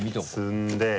積んで。